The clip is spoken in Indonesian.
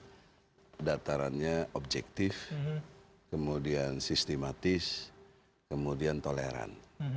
jadi datarannya objektif kemudian sistematis kemudian toleran